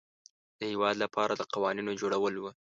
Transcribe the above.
د هیواد لپاره د قوانینو جوړول وه.